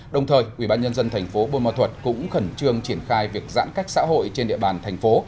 đồng thời ubnd thành phố bôn ma thuật cũng khẩn trương triển khai việc giãn cách xã hội trên địa bàn thành phố